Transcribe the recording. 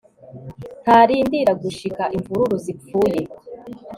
ntarindira gushika imvururu zipfuye